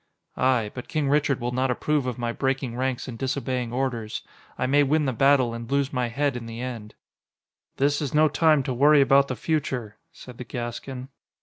"Aye. But King Richard will not approve of my breaking ranks and disobeying orders. I may win the battle and lose my head in the end." "This is no time to worry about the future," said the Gascon.